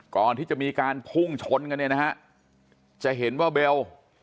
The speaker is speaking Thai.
ก่อนที่จะมีการพุ่งชนกันเนี่ยนะฮะจะเห็นว่าเบล